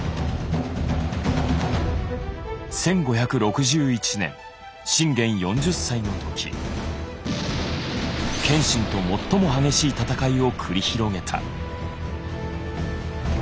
１５６１年信玄４０歳の時謙信と最も激しい戦いを繰り広げた。